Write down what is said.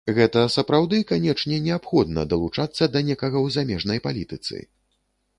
Гэта, сапраўды, канечне неабходна, далучацца да некага ў замежнай палітыцы?